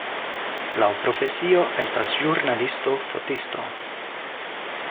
Laŭ profesio estas ĵurnalisto-fotisto.